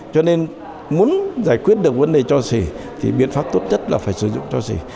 cho nên muốn giải quyết được vấn đề cho xỉ thì biện pháp tốt nhất là phải sử dụng cho xỉ